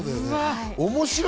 面白い。